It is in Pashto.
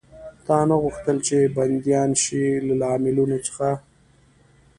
تا نه غوښتل، چې بندیان شي؟ له لاملونو څخه.